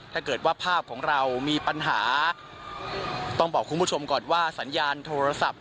ถ้าเกิดว่าภาพของเรามีปัญหาต้องบอกคุณผู้ชมก่อนว่าสัญญาณโทรศัพท์